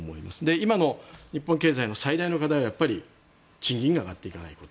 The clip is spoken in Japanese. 今の日本経済の最大の課題は賃金が上がっていかないこと。